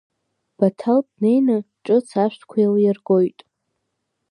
Баҭал днеины ҿыц ашәҭқәа еилиргоит.